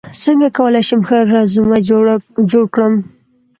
څنګه کولی شم ښه رزومه جوړ کړم